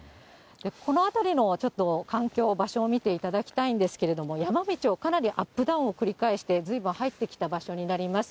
この辺りのちょっと環境、場所を見ていただきたいんですけれども、山道をかなりアップダウンを繰り返して、ずいぶん入ってきた場所になります。